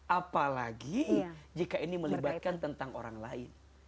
apalagi jika ini melibatkan tentang orang lain